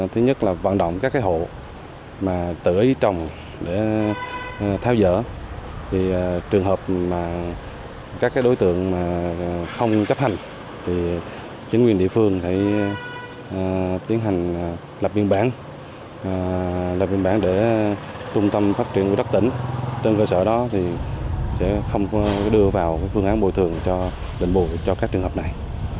thứ nhất là vận động các hộ tự ý trồng để theo dỡ trường hợp các đối tượng không chấp hành chính quyền địa phương tiến hành lập biên bản để trung tâm phát triển của đất tỉnh trên cơ sở đó sẽ không đưa vào phương án bồi thường cho định bùi cho các trường hợp này